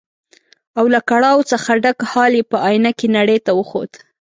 او له کړاو څخه ډک حال یې په ائينه کې نړۍ ته وښود.